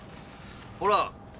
ほら。